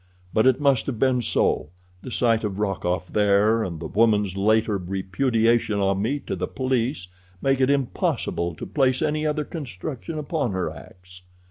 But it must have been so—the sight of Rokoff there and the woman's later repudiation of me to the police make it impossible to place any other construction upon her acts.